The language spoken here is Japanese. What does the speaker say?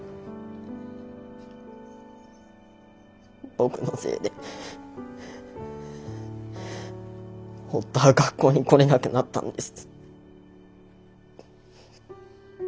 僕のせいで堀田は学校に来れなくなったんです。